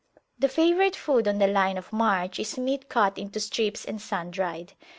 The favourite food on the line of march is meat cut into strips and sun dried.